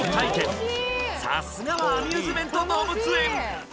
さすがはアミューズメント動物園